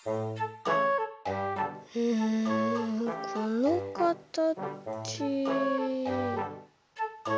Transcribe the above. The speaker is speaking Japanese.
うんこのかたち。